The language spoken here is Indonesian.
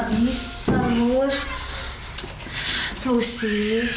tapi entah apa yang akan terjadi